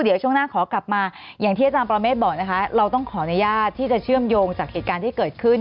เดี๋ยวช่วงหน้าขอกลับมาอย่างที่อาจารย์ปรเมฆบอกนะคะเราต้องขออนุญาตที่จะเชื่อมโยงจากเหตุการณ์ที่เกิดขึ้น